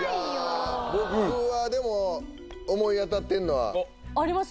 僕はでも思い当たってんのはあります？